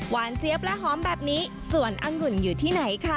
วานเจ็บและหอมแบบนี้สวนองุ่นอยู่ที่ไหนคะ